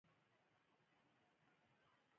زه یو انجینر یم